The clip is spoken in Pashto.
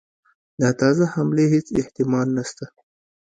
د تازه حملې هیڅ احتمال نسته.